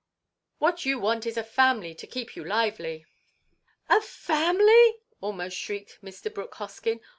What you want is a family to keep you lively!" "A family!" almost shrieked Mr. Brooke Hoskyn.